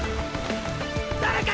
誰か！